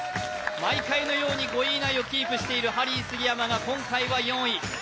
毎回のように５位以内をキープしているハリー杉山が今回は４位。